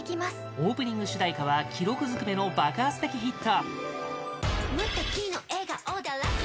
オープニング主題歌は記録ずくめの爆発的ヒット